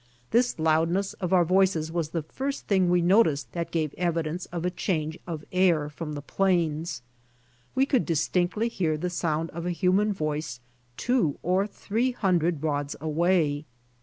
This loudness of our voices was the first thing we noticed that gave evidence of a change of air from the plains. We could distinctly hear the sound of a human voice two or three hundred rods away.